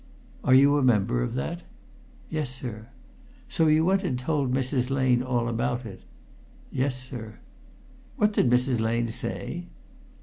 "Are you a member of that?" "Yes, sir." "So you went and told Mrs. Lane all about it?" "Yes, sir." "What did Mrs. Lane say?"